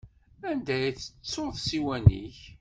Anda i tettuḍ ssiwan-ik?